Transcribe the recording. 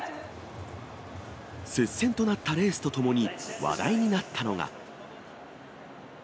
接戦となったレースとともに話題になったのが。